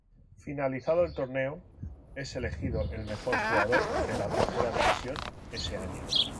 Finalizado el torneo, es elegido el mejor jugador de la tercera división ese año.